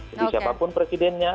jadi siapapun presidennya